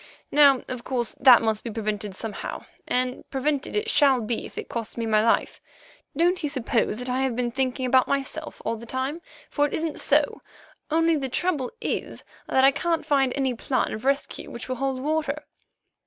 Now, of course, that must be prevented somehow, and prevented it shall be if it costs me my life. Don't you suppose that I have been thinking about myself all the time, for it isn't so, only the trouble is that I can't find any plan of rescue which will hold water."